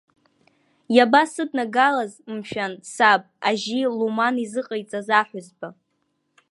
Иабасыднагалаз, мшәан, саб, ажьи Луман изыҟаиҵаз аҳәызба?!